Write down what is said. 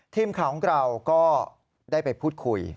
ทีมข่าวของเราก็ได้ไปพูดคุย